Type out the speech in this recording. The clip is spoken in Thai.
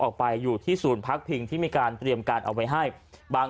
ออกไปอยู่ที่ศูนย์พักพิงที่มีการเตรียมการเอาไว้ให้บาง